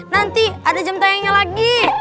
nanti ada jam tayangnya lagi